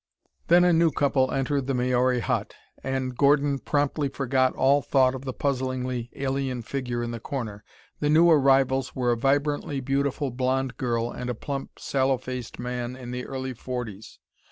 Then a new couple entered the Maori Hut, and Gordon promptly forgot all thought of the puzzlingly alien figure in the corner. The new arrivals were a vibrantly beautiful blond girl and a plump, sallow faced man in the early forties.